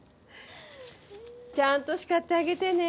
ちゃんと叱ってあげてね。